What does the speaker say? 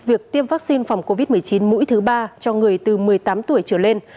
việc tiêm vaccine phòng covid một mươi chín mũi thứ ba cho người từ một mươi tám tuổi trở lên